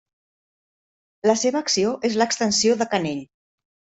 La seva acció és l'extensió de canell.